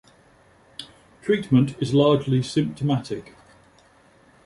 Treatment is largely symptomatic.